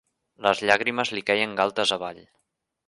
Les llàgrimes li queien galtes avall.